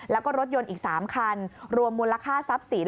แล้วก็รถยนต์อีก๓คันรวมมูลค่าทรัพย์สิน